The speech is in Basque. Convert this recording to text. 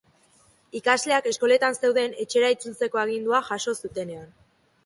Ikasleak eskoletan zeuden etxera itzultzeko agindua jaso zutenean.